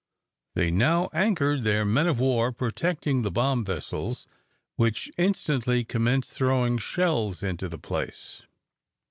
They now anchored, their men of war protecting the bomb vessels, which instantly commenced throwing shells into the place.